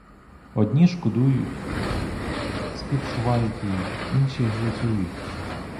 Одні шкодують, співчувають їй, інші глузують.